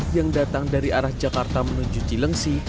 yang datang dari arah jakarta menuju cilengsi